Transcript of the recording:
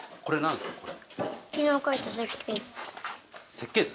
設計図？